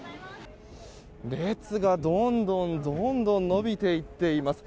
列がどんどんどんどん延びていっています。